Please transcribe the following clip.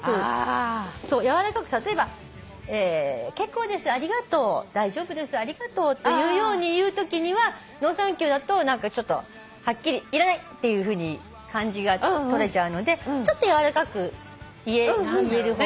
例えば「結構ですありがとう」「大丈夫ですありがとう」というように言うときには「Ｎｏ，ｔｈａｎｋｙｏｕ」だとはっきり「いらない！」という感じにとれちゃうのでちょっと柔らかく言える方法。